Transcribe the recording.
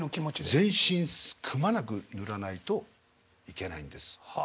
全身くまなく塗らないといけないんです。